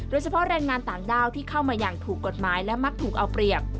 โดยเฉพาะแรงงานต่างด้าวที่เข้ามาอย่างถูกกฎหมายและมักถูกเอาเปรียบ